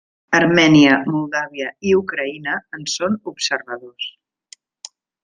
Armènia, Moldàvia i Ucraïna en són observadors.